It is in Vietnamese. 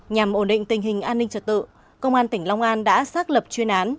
nhằm ổn định tình hình an ninh trật tự công an tỉnh long an đã xác lập chuyên án